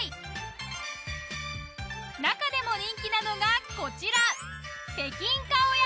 中でも人気なのがこちら。